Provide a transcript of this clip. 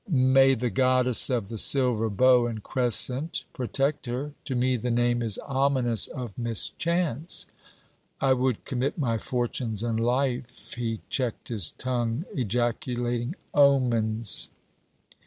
'May the Goddess of the silver bow and crescent protect her! To me the name is ominous of mischance.' 'I would commit my fortunes and life...!' He checked his tongue, ejaculating: 'Omens!'